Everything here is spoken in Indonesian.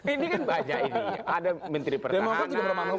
ini kan banyak ini ada menteri pertahanan